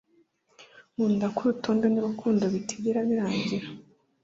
nkunda ko urutonde nurukundo bitigera birangira